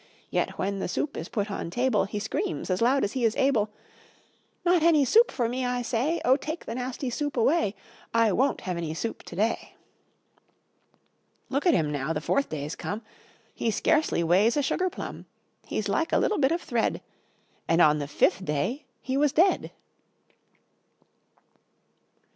Yet, when the soup is put on table, He screams, as loud as he is able, "Not any soup for me, I say: O take the nasty soup away! I WON'T have any soup today." Look at him, now the fourth day's come! He scarcely weighs a sugar plum; He's like a little bit of thread, And, on the fifth day, he was dead!